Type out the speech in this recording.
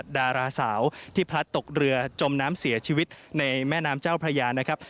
ดาราสาวที่พลัดตกเรือจมน้ำเสียชีวิตในแม่น้ำเจ้าพระยานะครับ